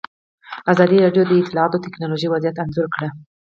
ازادي راډیو د اطلاعاتی تکنالوژي وضعیت انځور کړی.